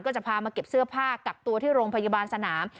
จะพามาเก็บเสื้อผ้ากักตัวที่โรงพยาบาลสนาม